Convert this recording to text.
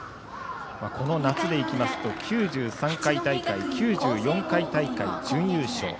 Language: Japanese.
この夏でいきますと９３回大会、９４回大会準優勝。